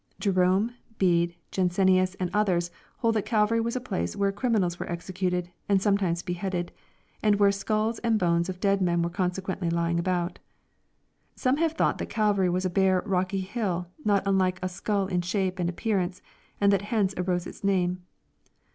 Jerome, Bede, Jansenius, and others, hold that Calvary was a place where criminals were executed, and sometimes beheaded, and where sculls and bones of dead men were consequently lying about. Some have thought that Calvary was a bare, rocky hill, not unlike a scull in shape and appearance, and that hence arose its name.